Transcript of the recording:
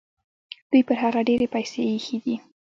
دوی پر هغه ډېرې پیسې ایښي دي.